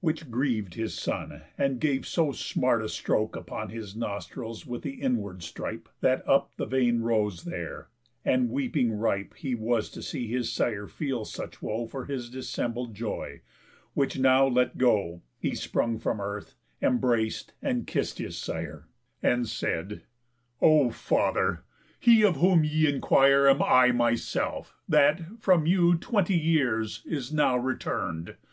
Which grieved his son, and gave so smart a stroke Upon his nostrils with the inward stripe, That up the vein rose there; and weeping ripe He was to see his sire feel such woe For his dissembled joy; which now let go, He sprung from earth, embrac'd and kiss'd his sire, And said: "O father! He of whom y' enquire Am I myself, that, from you twenty years, Is now return'd.